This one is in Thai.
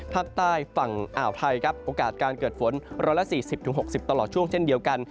ภาคใต้ฝั่งอ่าวไทยครับโอกาสการเกิดฝน๑๔๐๖๐ตลอดช่วงเช่นเดียวกัน